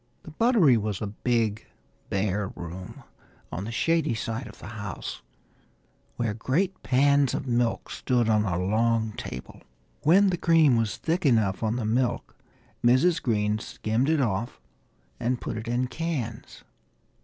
The buttery was a big bare room on the shady side of the house, where great pans of milk stood on a long table. When the cream was thick enough on the milk Mrs. Green skimmed it off and put it in cans.